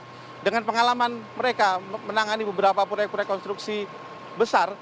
apakah mereka dengan pengalaman mereka menangani beberapa proyek rekonstruksi besar